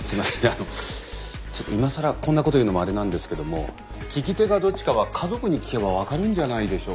あの今さらこんな事言うのもあれなんですけども利き手がどっちかは家族に聞けばわかるんじゃないでしょうか。